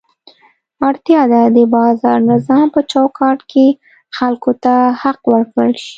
اړتیا ده د بازار نظام په چوکاټ کې خلکو ته حق ورکړل شي.